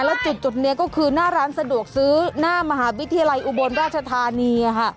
แล้วจุดนี้ก็คือหน้าร้านสะดวกซื้อหน้ามหาวิทยาลัยอุบลราชธานี